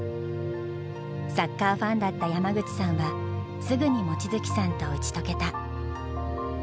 サッカーファンだった山口さんはすぐに望月さんと打ち解けた。